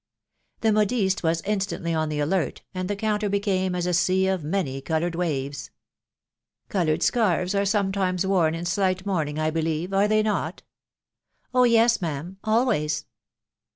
The modiste was instantly on the alert, and the counter became as a sea of many coloured waves. " Coloured scarves are sometimes worn in, slight mourning, I believe, are they not ?"—" Oh yes ! ma'am, always."